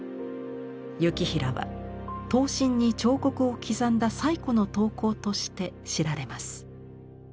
行平は刀身に彫刻を刻んだ最古の刀工として知られます。